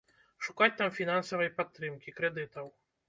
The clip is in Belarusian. Шукаць там фінансавай падтрымкі, крэдытаў.